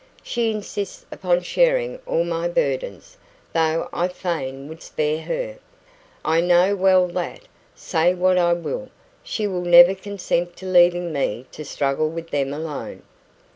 She insists upon sharing all my burdens, though I fain would spare her. I know well that, say what I will, she will never consent to leaving me to struggle with them alone."